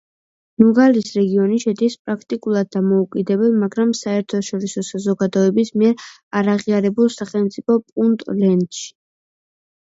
ნუგალის რეგიონი შედის პრაქტიკულად დამოუკიდებელ, მაგრამ საერთაშორისო საზოგადოების მიერ არაღიარებულ სახელმწიფო პუნტლენდში.